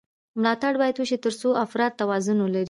ملاتړ باید وشي ترڅو افراد توان ولري.